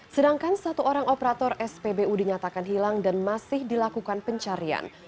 sedangkan satu orang operator spbu dinyatakan hilang dan masih dilakukan pencarian